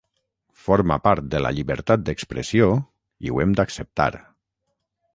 Forma part de la llibertat d’expressió i ho hem d’acceptar.